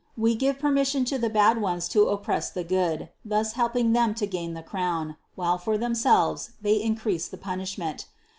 We give permis sion to the bad ones to oppress the good, thus helping them to gain the crown, while for themselves they in crease the punishment.